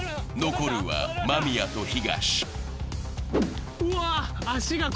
残るは間宮と東。